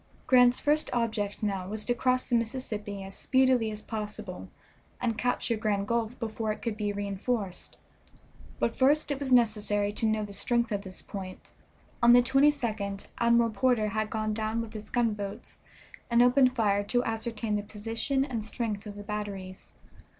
Grant's first object now was to cross the Mississippi as speedily as possible and capture Grand Gulf before it could be re enforced; but first it was necessary to know the strength of this point. On the 22d Admiral Porter had gone down with his gunboats and opened fire to ascertain the position and strength of the batteries.